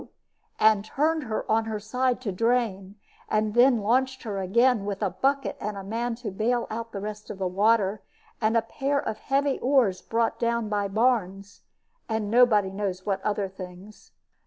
and turned her on her side to drain, and then launched her again, with a bucket and a man to bail out the rest of the water, and a pair of heavy oars brought down by Barnes, and nobody knows what other things.